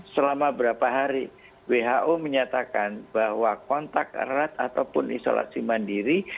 selama berapa hari who menyatakan bahwa kontak erat ataupun isolasi mandiri